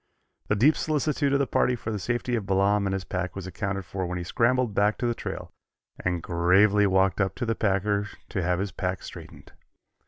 The deep solicitude of the party for the safety of Balaam and his pack was accounted for when he scrambled back to the trail and gravely walked up to the packer to have his pack straightened.